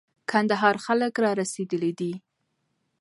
کندهار خلک را رسېدلي دي.